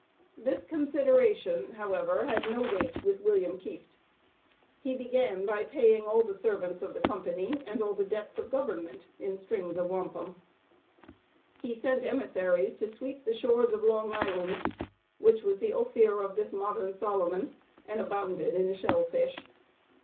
This consideration, however, had no weight with William Kieft. He began by paying all the servants of the company and all the debts of government, in strings of wampum. He sent emissaries to sweep the shores of Long Island, which was the Ophir of this modern Solomon, and abounded in shell fish.